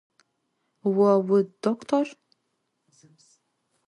Vo vudoktor?